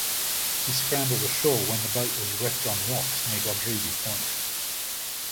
He scrambled ashore when the boat was wrecked on rocks near Godrevy Point.